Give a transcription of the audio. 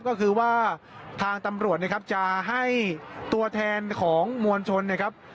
ก็คือว่าทางตำรวจนะครับจะให้ตัวแทนของมวลชนนะครับ